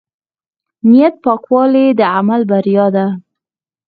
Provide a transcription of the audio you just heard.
د نیت پاکوالی د عمل بریا ده.